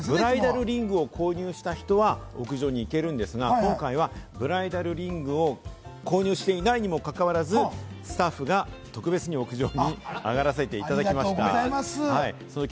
普段行けないわけですけれども、ブライダルリングを購入した人は屋上に行けるんですが、ブライダルリングを購入していないにもかかわらず、スタッフが特別に屋上に上がらせていただきました。